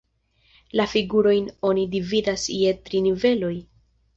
La figurojn oni dividas je tri niveloj.